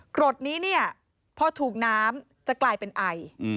กรดนี้เนี่ยพอถูกน้ำจะกลายเป็นไอ